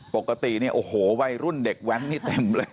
ปกติเนี่ยโอ้โหวัยรุ่นเด็กแว้นนี่เต็มเลย